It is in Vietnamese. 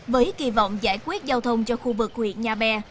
với kỳ vọng giải quyết giao thông cho khu vực huyện nhà bè